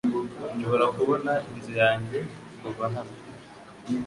Nshobora kubona inzu yanjye kuva hano .